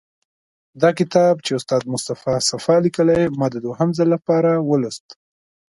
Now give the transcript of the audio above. دا کتاب چې استاد مصطفی صفا لیکلی، ما د دوهم ځل لپاره ولوست.